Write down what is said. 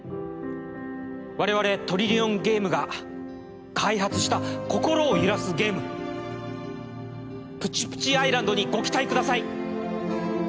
我々トリリオンゲームが開発した心を揺らすゲーム「プチプチアイランド」にご期待ください